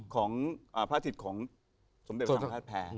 ของพระศิษย์ของสมเด็จพระสังฤทธิ์แพ้